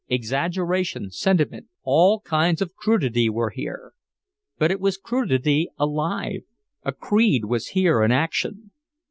Exaggeration, sentiment, all kinds of crudity were here. But it was crudity alive, a creed was here in action.